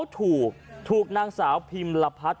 ถูกนางสาวพิมรพัด